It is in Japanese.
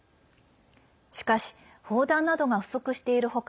しかし砲弾などが不足している他